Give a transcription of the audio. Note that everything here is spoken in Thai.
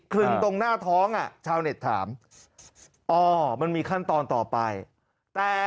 ลึงตรงหน้าท้องอ่ะชาวเน็ตถามอ๋อมันมีขั้นตอนต่อไปแต่